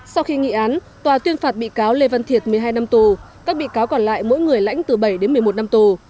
sau khi nghị án tòa tuyên phạt bị cáo lê văn thiệt một mươi hai năm tù các bị cáo còn lại mỗi người lãnh từ bảy đến một mươi một năm tù